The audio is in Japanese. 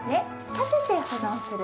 立てて保存する。